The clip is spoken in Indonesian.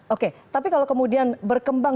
oke tapi kalau kemudian berkembang